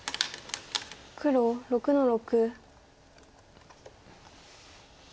黒６の六。